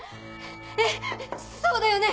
えっそうだよね？